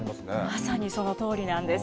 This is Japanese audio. まさにそのとおりなんです。